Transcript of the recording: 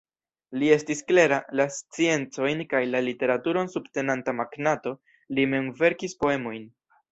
Li estis klera, la sciencojn kaj la literaturon subtenanta magnato, li mem verkis poemojn.